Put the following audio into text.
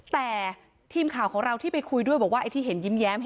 แต่ทีมข่าวของเราที่ไปคุยด้วยบอกว่าไอ้ที่เห็นยิ้มแย้ม